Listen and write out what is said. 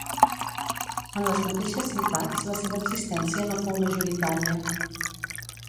En les mateixes ciutats la seva existència no fou majoritària.